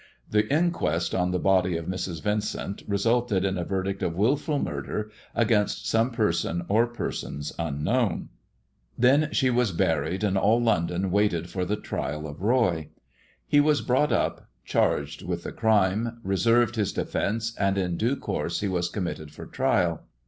The inquest on the body of Mrs. Vincent resulted in a verdict of wilful murder against some person or persons "' Corao to my brother's room.' " unknown. Then she was buried, and all London waited for the trial of Roy. He was brought up charged with the crime, reserved his defence, and in due course he was com mitted for trial.